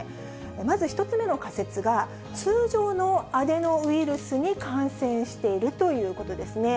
まず１つ目の仮説が、通常のアデノウイルスに感染しているということですね。